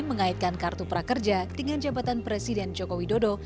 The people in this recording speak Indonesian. mengaitkan kartu prakerja dengan jabatan presiden joko widodo